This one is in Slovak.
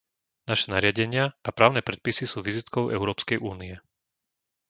Naše nariadenia a právne predpisy sú vizitkou Európskej únie.